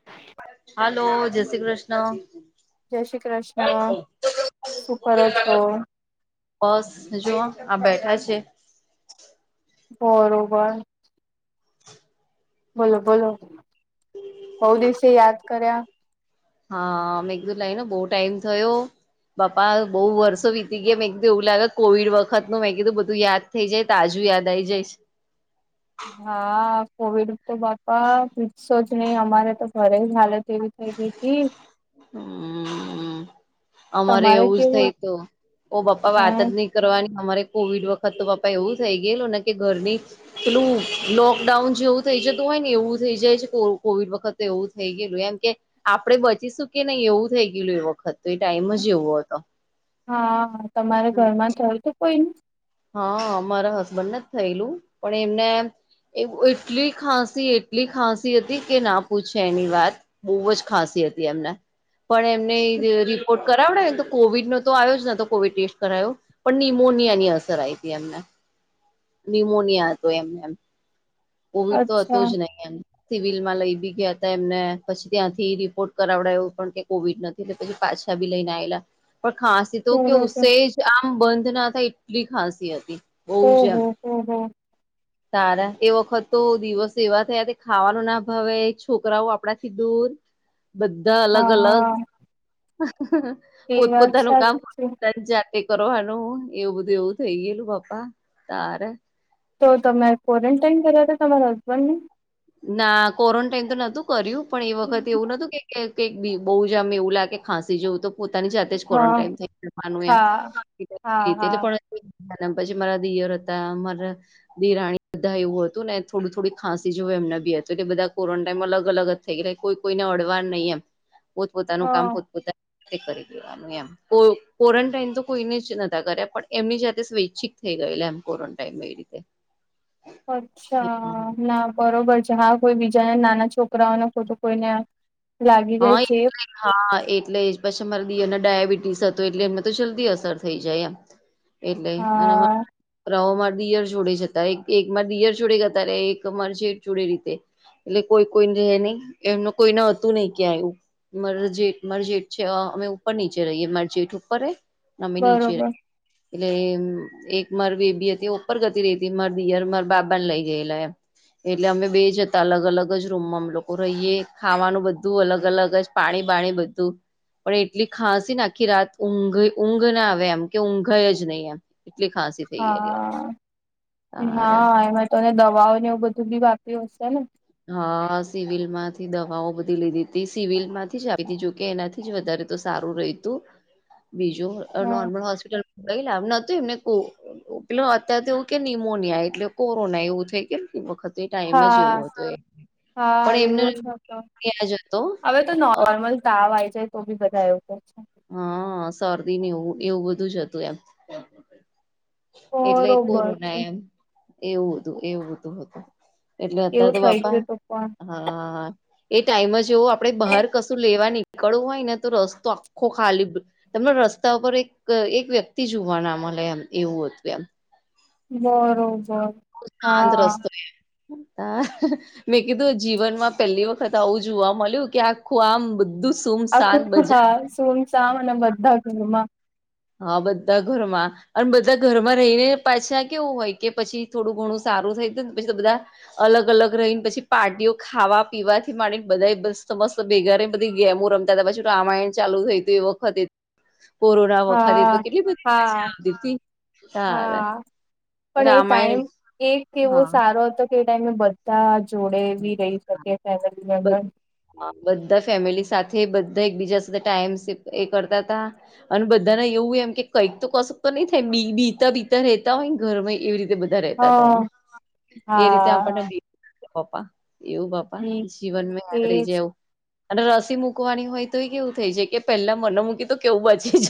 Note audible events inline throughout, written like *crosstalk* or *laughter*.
*unintelligible* હાલો જય શ્રી કૃષ્ણ જય શ્રી કૃષ્ણ શું કરો છો બસ જુઓ આ બેઠા છે બરોબર બોલો બોલો બઉ દિવસે યાદ કર્યા હા મેઘદૂર લાઈને બહુ ટાઈમ થયો બાપા બહુ વર્ષો વીતી ગયા મેં કીધું એવું લાગે કોવિડ વખતનું મેં કીધું બધું યાદ થઈ જાય તોાજુ યાદ આ આવી જાયશ હા કોવિડ તો બાપા પીસો જ નહીિ અમારે તો ઘરે હાલત એવી ક જ *unintelligible* હમ અમારે તમારે એવું જ કેવું થઈ તો ઓ પપ્પા હે વાત જ નહી કરવાની અમારે કોવિડ વખત તો પપા એવું થઈ ગયેલ ને કે ઘરની પેલું લોકડાઉન જેવું થઈ જતું હોય ને એવું થઈ જાય છે કોવિડ વખતે એવું થઈ ગયેલું એમ કે આપડે બચીશું કે નહી એવું થઈ ગયલું એ વખત તો એ ટાઈમ જ એવો હતો હા તમારે હ ઘરમાં થયું તો કોઈ નને હા મારા હસબન્ડ ને જ થયેલું પણ એમને એ એટલી ખાંસી એટલી ખાંસી હતી કે ના પૂછે એની વાત બહુ જ ખાંસી હતી એમને પણ એમને રિપોર્ટ કરાવડને તો કોવિડ નો તો આવ્યો જ ના તો કોવિડ ટેસ્ટ કરાયો પણ નિનીમોનિયા ની અસર આઈ હતી એમને ન્યુમોનિયા હતો એમને એમ કોવિડ તો હતો અચ્છા જ નહીિ એમ સિવિલ માં લઈ બી ગયા હતા એમને પછી ત્યાંથી રિપોર્ટ કરાવડ્યા એવું પણ કે કોવિડ નથી એલે પછી પાછા ભી લઈને આવેલા પણ ખ તો કે બરોબર ઉસે જ આમ બંધ ના થાય એટલી ખાંસી હતી બહુ જ ઓહ એમ હ હ *inaudible* તારા એ વખત તો દિવસ એવા થયા તે ખાવાનું ના ભાવે છોકરાઓ આપડા થી દૂર બધા અલગ હા અલગ હા એ વાત પોતપોતાનું કામ સાચી છે. તે કરવાનું એવું બધું એવું થઇ ગયેલું પાપા તારે તો તમે ક્વોરન્ટાાઈન કર્યા હતા તમારા હસબન્ડ ને ના ક્વોરન્ટાાઈન તો નહોતું કર્યું પણ એ વખત એવું નતું કે બહુ જમ એવું લાગે ખાંસી જવું તો પોતાની જાત હા ક્વોરન્ટાઈન થ જવાનું એમ હા હા હા રીતે પછી મારા દિયર હતા મારા ધિરાણી બધા એવું હતું ને થોડું, થોડી ખાંસી. જો એમને બી હતો એટલે બધા કોરોન્ટાાઈમ અગ અલગ જ થઈ એટલે કોઈ કોઈને અડવાર નહીં, એમ પોતપોતાનું કામ હા પોતપોતા કરી દેવાનું એમ ક્વોરન્ટાાઈન તો કોઈને જ ન કર્યા પણ એમની જા સ્વૈચ્છિક થઈ ગયેલા, એમ ક્વોરન્ટાાઈન રીતે અચ્છા ના બરોબર છે હા કોઈ બીજાના નાના છોકરાઓને ખોટું કોઈને, લાગી જાય હઈ છે હા એટલે પછી અમારા દિયરને ડાયાબિટીસ હતો એટલે એમને તો જલ્દી અસર થઈ જાય એમ એટલે અને મન હા રોવો માં દિયર છોડે જતા એક એકમા દિયર જોડે ગતા ને એક મા છેઠ છોડે રીતે એટલે કોઈ કોઈને ની એમનું કોઈ ના હતું નહી ક્યાંય મર જે માર જેટ છે, અ અમે ઉપર નીચે રહીએ માર જેટ ઉપર રેય અમે નીચે બરોબર એટલે એક માર બેબી હતી ઉપર ગતી રેતી મારા દિયર મારા બાબા લઈ ગયેલા એમ એટલે અમે બે જતા અલગ અલગ જ રૂમમાં અ લોકો રહીએ ખાવાનું બ બધું અલગ અલગ જ પાણી બાણી બધું પણ એટલી ખાંસી ને આખી રાત ઊંઘ ઊંઘ ના આવે એમ કે ઊંઘાય જ નહીં એમ એટલી ખાંસી થઈ ગયેલી હા તારે હા એમજ તોને દવાઓને એવું બધું પીવા આપ્યું હશે ને? હા સિવિલ માંથી દવાઓ બધી લીધીતી સિવિલ માંથી જ આવી તી જોકે એના એ જ વધારે તો સારું રેતું બીજું હ નોર્મલ હોસ્પિટલ કઈલા નતું એમને કો *unintelligible* અત્યારે તો એવું કે નિમોનિયા એટલે કોરોના એવું થઈ કે વખતે એ ટાઈમ જ હા એવો હતો એ હા એવું પણ જ એમને હત ત્યાં જ હતો હવે તો નો મન તાવ આય છે, તો બી બધા એવું કે છે. હા શરદીને એવું એવું બધું જ હતું એમ એટલે બરોબર છે કોરોના એમ એવું બધું એવું બધું હતું એટલે અત્યારે એવું તો થઈ બાપા ગયું તું પણ હા એ ટાઈમ જવું આપડે બહાર કશું લેવાની કળવું હોય ને તો રસ્તો આખો ખાલી તમને રસ્તા ઉપર એક એક વ્યક્તિ જોવાના મલે એમ એવું હતું એમ બરોબર. શાંત હા રસ્તો એ હા મેં કીધું જીવનમાં પહેલી વખત આવું જોવા મલયુ કે આખું આમ બધું આખું સુમસાન બજાર હા સુંમ સામ અને બધા ઘરમાં હ બધા ઘરમાં અને બધા ઘરમાં રહીને પાછા કેવું હોય કે પછી થોડું ઘણું સારું થાયને પછી તો બધા અલગ અલગ રહીને પછી પાર્ટીઓ ખાવા પીવાથી માંડીને બધા મસ્ત મસ્ત ભેગા બધી ગેમો રમ તા તા પછી ત આમાય ચાલુ થય ગયુ એ વખતે કોરોના વ ફરે હા તો કેટલી બધી હા મજા આવતી હતી તારે હા પણ એ ટાઈમ રામાયણ એ કેવો હા સારો હતો. તે ટાઈમે બધા જોડે બી રહી શકે ફેમિલી બ મેમ્બર બધા ફેમિલી સાથે બધા એકબીજા સાથે ટાઈમ એ કરતા હતા અને બધાને એવું એમ કે કંઈક તો કસક તો નહી થાય બી બીતા બીતા રેતા હોય ઘરમા એવી રીતે રે તા તા એમ હા એ રીતે હા આપણને પપ્પા એવું પપા બી જીવનમાં યાદ રય એજ જાય એવુ અને રસી મૂકવાની હોય તો એ કેવું થઈ જાય કે પહેલા મને મૂકી તો કેવું બચે જ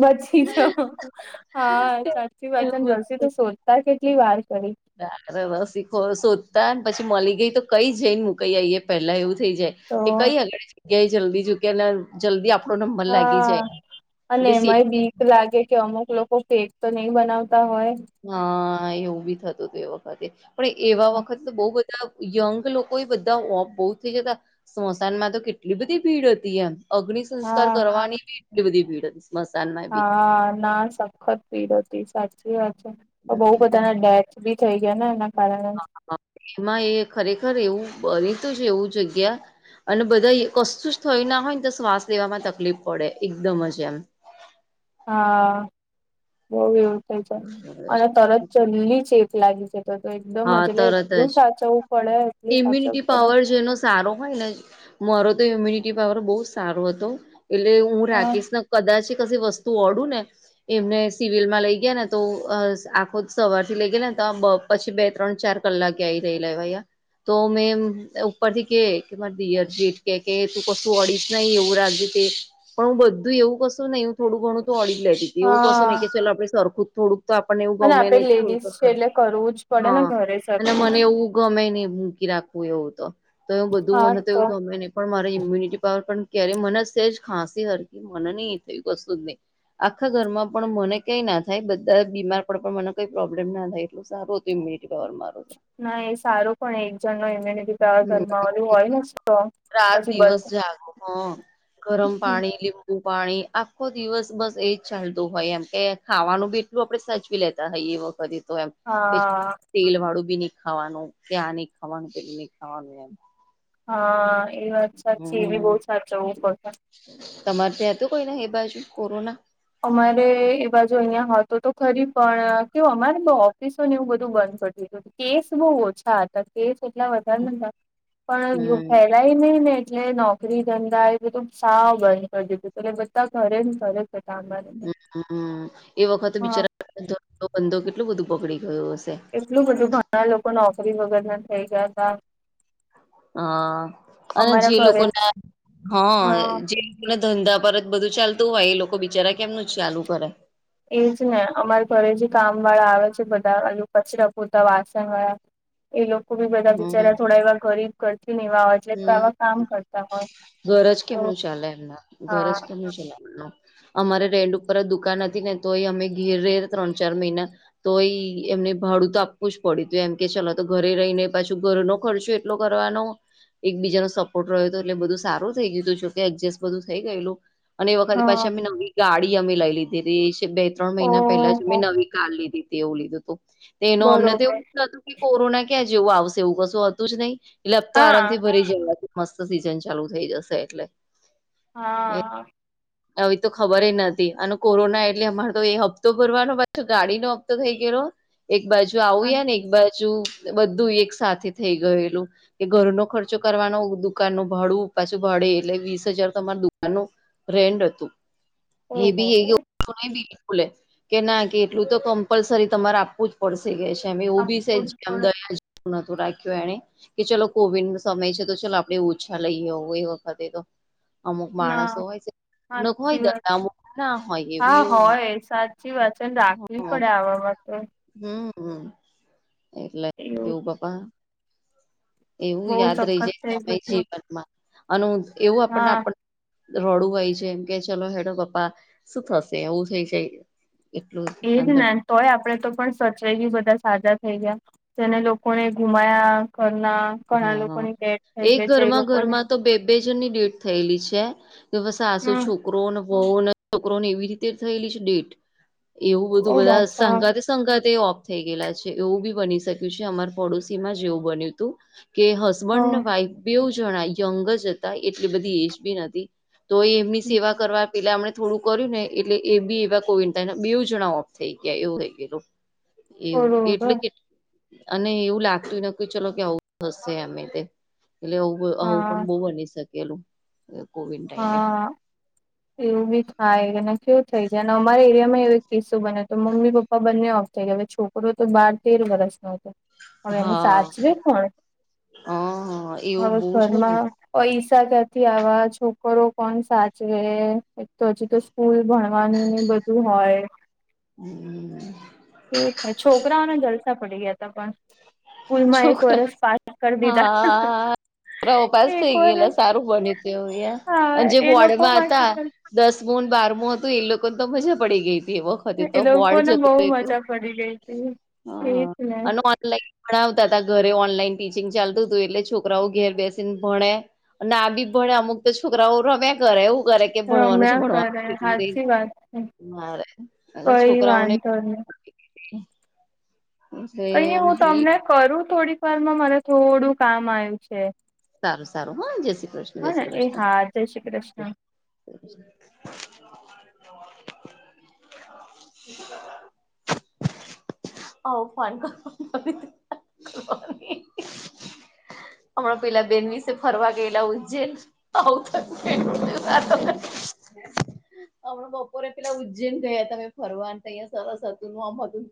બચી જઓ હા સાચી વાચન એવું જર્સી તો સોધતા કેટલી વાર કરી રસીખ શોધતા ને પછી મલી ગઈ તો કઈ જઈને મુ કએ પેલા એવું થઈ જાય તો કે કઈ અળલ જગ્યા જલ્દી જુકયા જલ્દી આપણનો હા અને એમાંય બીક લાગે આપણે. કે અમુક લોકો કેક તો નહી બનાવતા હોય હા એવું બી થતું હતું એ વખતે પણ એવા વખતે બો બ ધા યંગ લોકો બધા ઓ બહુ થઈ જતા સ્મશાનમાં તો કેટલી બધી ભીડ હતી એમ અગ્નિ સંસ્કાર હા કરવાની એટલી બધી ભીડ હતી મસાાલમાં. હા ના સખત ભીડ હતી સાચી વાત છે, તો બહુ હમ બધાના ડે બી થઈ ગયાને એના કારણે હ એમાં એ ખરેખર એવું બનીતુંજ એવું જગ્યા અને બધાઇ કશુંજ થયુના હોયને તો શ્વાસ લેવામાં તકલીફ પડે એકદમ જ એમ. હા બહુ એવું થાય છે, અને તરત જલલી ચેપ લાગી જાય. તો તો એકદમ હા જ તરત એટલું જ સાચવવું પડે, એટલું સાચવવું ઇમ્યુનિટી પડે પાવર જેનો સારો હોય ને મારો તો ઇમ્યુનિટી પાવર બહુ સારો હતો, એટલે હું હા રાકેશ કદાચી કસી વસ્તુ અડુને એમને સિવિલ માં લઈ ગયા ને તો અ આખો સવાર થી લઈ ગયા ને તો બ પછી ચી બે, ત્રણ, ચાર કલાકે આઇ રહેલાં તો મેં ઉપરથી કે કે મારા દિયર જેઠ કે કે તું કશું અડી નહી એવું રાગ્યું તે, પણ હું બધું એવું કશું નહી હું થોડું ઘણું તો અડી લેતી. એવું કસું નહી હા કે ચાલો આપણે સરખું જ થોડુંક તો આપણને એવું ગમે નહી, થોડુંકે ઈઝ પડેન ઘરે અને સરખું મને એવું ગમે નહી મૂકી રાખવું એવું તો, તો એવું બધું મને તો એવું ગમે નહિ પણ મારે ઇમ્યુનિટી પાવર પણ ક્યારેય મન સેજ ખાંસી હરકી મને નહી એ થયું કશું જ નહીં આખા ઘરમાં પણ મને કઈના થાય બધા બીમાર પડે પણ મને કઈ પ્રોબ્લેમ ના થાય એટલું સારુ તે મીટકર મારું ના એ સારો પણ એક જણ નો ઈમ્યુનીટી તાર હમ ઘરમાં ઓળું હોય ને સ્તો રાત પછી દિવસ બધ જાગો હા ગરમ પાણી લિમ ઉ પાણી આખો દિવસ બસ એજ ચાલતું હોય, એમ કે ખાવાનું બી એટલું આપડે સાચવી લેતા હોય એ વખ પછી તો એમ કે હા તેલ વાળું બી નહી ખાવાનું, ત્યાં નહી ખાવાનું, પેલું નહી ખાવાનું એમ. હા એ વાત સાચી, એ બી બહુ હમ સાચવવુ પડતુ તમારે ત્યા હતું કોઈને, એ બાજુ કોરોના? અમારે એ બાજુ અહિંયા હતો તો ખરી પણ કેવું અમારે બો ઓફિસો ને એવું બધું બંધ કરી દીધુ. કેસ બહુ ઓછા હતા, કેસ એટલા વધારે નતા, પણ ઈ હમ ફેલાય નહીને એટલે નોકરી ધંધા એ બધું સાવ બંધ કરી દીધું તુ, એટલે બધા ઘરે ન ધરે હતા હમાર હ એ વખતે બિચારાં *unintelligible* કેટલું બધું બગડી ગયો હશે. એટલું બધુ ઘણા લોકો નોકરી વગર ના થઈ ગયા હતા. હા અને અમારા જે ઘરે લોકો ને હ જે પેલા ધંધા પરત બધું ચાલતું હોય એ લોકો બિચારા કેમનું ચાલુ કરે એછેને અમારે ઘરે જે કામ વાળા આવે છે બધા ઓલું કચરા, પોતા, વાસણ વાળા એ લોકો બી બધા બિચારા થોડા એવા ગરીબ ઘરથી ને એવા હોય. એટલે હમ્મ આવા કામ કરતા હોય ઘર જ તો કેમનું ચાલે એમના, ઘર હા જ કેમનું ચલે એમ અમારે રેન્ટ ઉપર દુકાન હતી ને તો એ અમે ઘેરે ત્રણ, ચાર મહિના તો ઈ એમને ભાડું તો આપવું જ પડ્યું તું, એમ કે ચાલ તો ઘરે રહીને પાછું ઘરનો ખર્ચો લો કરવાનો. એકબીજાનો સપોર્ટ રહ્યો હતો, એટલે બધું સારું થઈ ગયું હતું, જોકે એડજસ્ટ બધું થઈ ગયેલું. અને એ વખતે હા પાછી અમે નવી ગાડી અમે લઈ લીધી તી, બે, ત્રણ મહિના પહેલા જ અમે ઓહો નવી કાર લીધી. તેવું લીધું હતું, તોનો અમને તો એવું બરોબર લીધું હતું કે, કોરોના ક્યાં જેવું આવશે એવું કશું હતું જ નહી. એટલે હપ્તો હા આરામથી ભરી જવા શે, મસ્ત સીઝન ચાલુ થઈ જશે એટલે. હા હા આવી તો ખબરએ નથી, આને કોરોના એટલે અમારે તો એ હપ્તો ભરવાનો ગાડીનો હપ્તો થઈ ગયેલો એક બાજુ આવું ને એક બાજુ બધું એક સાથે થઈ ગયેલું. કે ઘરનો ખર્ચો કરવાનો, દુકાન નો ભાડું, પાછું ભાડે એટલે વીસ હજાર તમાર દુકાન નો રેન્ડ હતું ઓહો હીધી એયો કાંઈ બીન ખુલ્લે, કે ના કે એટલું તો કમ્પલસરી તમારે આપવુંજ પડસે ગયા છે એવ બી આપવું જ છેમ પડે નતું રાખ્યું એને કે ચલો કોવિડ નો સમય છે તો ચાલ આપણે ઓછા લઈ આવવું એ વખતે તો અમુક માણસો ના હોય છે અમુક હોય સાચી વાત દયા અમુક ના હોય હા એવી એવું હોય સાચ સાચી વાચન રાખવી હોય પડે આ માટે હમ હમ એટલે એવું પપ્પા એવું બહુ યાદ રહી સખત જાય થઈ સમય ગયું હતું જીવનમાં અને એવું આપણને હા આપ રોડું હોય છે એમ કે ચલો હેડ પપ્પા શું થશે એવું થઇ જાય એટલું એજ અંદર ને તોય આપડે તો પણ સચવાઈ ગય બધા સાજા થઈ ગયા જેને લોકોને ઘુમાયા ઘરના ઘણા હા લોકો ને એક ઘરમાં ઘરમાં તો બે બે જનની ડેથ થયેલી છે કે બસ આસું હમ છું છોક ને ભ ને છોકરો ને એવી રીતે થયેલી છે ડેટ એવું બધું ઓ બધા બાપા સાંગા સંકાત એ ઓફ થઈ ગયેલા છે એવું બી બની શક્યું છે અમાર પાડોશી માં જેવું બન્યું હતું કે હસબન્ડ હા ને વાઈફ બેવ જણા યંગ જ હતા એટલે બધી એજ બી નથી તો એમની સેવા કરવા પેલા હમણે થોડું કર્યું ને એટલે એ બી એવા કોવિ બે જણા ઓફ થઈ ગયા એવું થઈ ગયું એવું બરોબર એટલે કે અને એવું લાગતું ન ચલો કે આવ હશે અમે તે એટલેું આવું હા પણ બહ બની શકેલું કોવિંદ હા એવું બી થાય શું થઈ જાય અને અમારા એરિયા માં એવ એક કિસ્સો બન્યો છે તો મમ્મી પપ્પા બંને ઓફ થઈ ગયા હવે છોકરો તો બાર તેર વર્ષના હતો હવે એને હા સાચવે પણ હ એવું હવે બહુ જ બને ઘરમાં ઈસા ક્યાંથી આવા છોકરો કોણ સાચવે તો હજી તો ફૂલ ભણવાનું બધું હોય હ કેવું થાય છોકરાઓને જલસા પડી ગયા હતા પણ સ્કૂલમાં એક છોકરા વરષ પાસ કરી દીધા હા પાસ એક થઈ ગયેલા વરસ સારું બન્યું તું એ હા અને જે એ લોકો પોડમાં હતા માટે દસમું ને બારમું હતું એ લોકો ને તો મજા પડી ગઈ હતી એવો ફ તો એ હોડ લોકોને જ બહુ હતું એક હ મજા પડી ગઈ હતી હ એજ ને અને ઓનલાઈન ભણાવતા હતા ઘરે ઓનલાઈન ટીચિંગ ચાલતું હતું એટલે છોકરાઓ ઘેર બેસીને ભણે ના બી ભડે અમુક તો છોકરાઓ રમ્યા કરે એવું કરે કે ભણવાનું છે રમ્યા કરે ભણવાનું સાચી વાત છે. મારે અને છોકરાઓને તો એટલે કઈ નઈ એમ હું તમને કરું થોડીક વારમાં મને થોડું કામ આવ્યું છે સારું સારું હા જય શ્રી કૃષ્ણ હા જય ને શ્રી એ કૃષ્ણ હા જય શ્રી કૃષ્ણ *unintelligible* *inaudible* શું *unintelligible* આવ ફન કર ફ *unintelligible* હમણાં પેલા બેન વિશે ફરવા કેલા ઉજજેલ હ ત *unintelligible* હમણાં બપોરે પેલા ઉજ્જૈન ગયા તમે ફરવાન તો અહિયાં સરસ હતું આમ હતું ત્યા